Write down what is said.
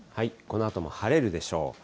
このあとも晴れるでしょう。